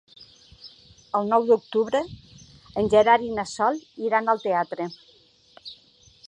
El nou d'octubre en Gerard i na Sol iran al teatre.